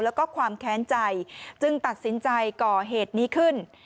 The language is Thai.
แล้วก็ความแค้นใจจึงตัดสินใจก่อเหตุนี้ขึ้น